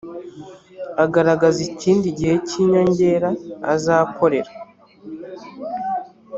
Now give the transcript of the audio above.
agaragaza ikindi gihe cy inyongera azakorera